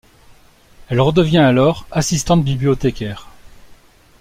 Elle redevient alors assistante-bibliothécaire.